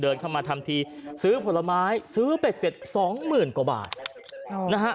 เดินเข้ามาทำทีซื้อผลไม้ซื้อเป็ดเสร็จสองหมื่นกว่าบาทนะฮะ